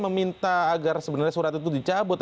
meminta agar sebenarnya surat itu dicabut